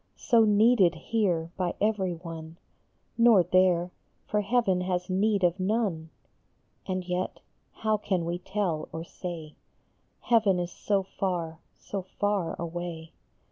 So needed here by every one, Nor there ; for heaven has need of none. And yet, how can we tell or say? Heaven is so far, so far away